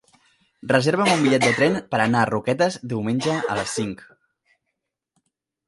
Reserva'm un bitllet de tren per anar a Roquetes diumenge a les cinc.